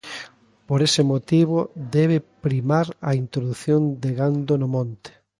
Por ese motivo debe primar a introdución de gando no monte.